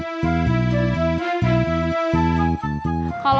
baik baik aja lah